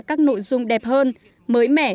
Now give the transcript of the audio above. các nội dung đẹp hơn mới mẻ